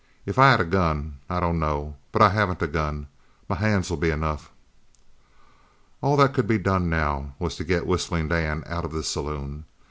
"If I had a gun I don't know but I haven't a gun. My hands'll be enough!" All that could be done now was to get Whistling Dan out of the saloon.